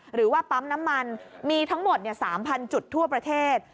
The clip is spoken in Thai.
หรือว่าปั๊มน้ำมันมีทั้งหมด๓๐๐จุดทั่วประเทศ